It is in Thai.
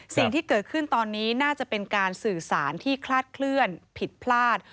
สิ่งที่เกิดขึ้นตอนนี้น่าจะเป็นการสื่อสารที่คลาดเคลื่อนผิดพลาด